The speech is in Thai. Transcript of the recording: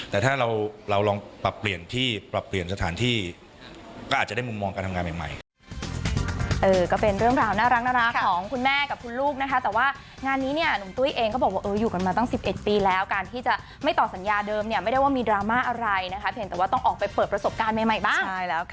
แต่ถ้าเราลองปรับเปลี่ยนที่ปรับเปลี่ยนสถานที่ก็อาจจะได้มุมมองการทำงานใหม่